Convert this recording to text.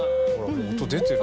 音出てる。